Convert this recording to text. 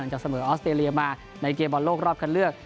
จะเสมอออสเตรเลียมาในเกมบอลโลกรอบคันเลือก